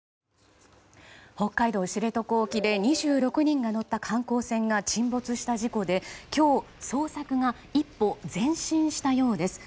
北海道・知床沖で２６人が乗った観光船が沈没した事故で今日、捜索が一歩前進したようです。